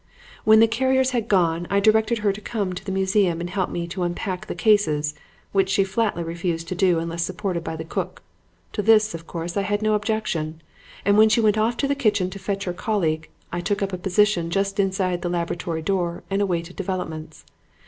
"When the carriers had gone I directed her to come to the museum and help me to unpack the cases, which she flatly refused to do unless supported by the cook. To this, of course, I had no objection, and when she went off to the kitchen to fetch her colleague, I took up a position just inside the laboratory door and awaited developments.